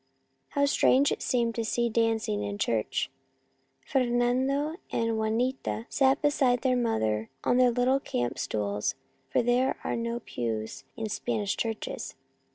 How strange it seemed to see dancing in church ! Fernando and Juanita sat beside their mother, on their little camp stools, for there are no pews in Spanish churches.